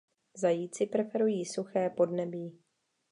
Zajíci preferují suché podnebí.